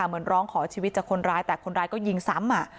เหมือนร้องขอชีวิตจากคนร้ายแต่คนร้ายก็ยิงซ้ำ